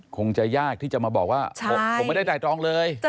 คงจะยากที่จะมาบอกว่าผมไม่ได้ไตรตรองเลย